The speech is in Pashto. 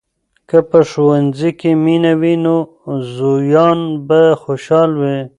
که په ښوونځي کې مینه وي، نو زویان به خوشحال وي.